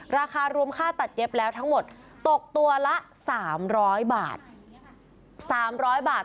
ราคารวมค่าตัดเย็บแล้วทั้งหมดตกตัวละ๓๐๐บาท๓๐๐บาท